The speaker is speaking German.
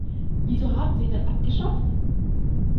Wieso haben Sie ihn dann abgeschafft?